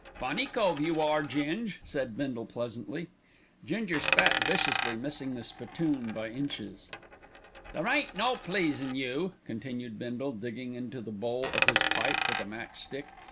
"Funny cove you are, Ging," said Bindle pleasantly. Ginger spat viciously, missing the spittoon by inches. "There ain't no pleasin' you," continued Bindle, digging into the bowl of his pipe with a match stick.